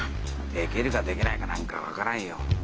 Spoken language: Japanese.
できるかできないかなんか分からんよ。